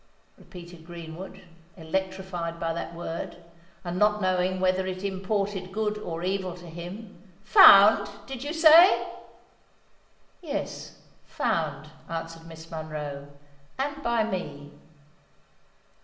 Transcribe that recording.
repeated Greenwood, electrified by that word, and not knowing whether it imported good or evil to him: "found! Did you say——" "Yes—found," answered Miss Monroe;—"and by me!"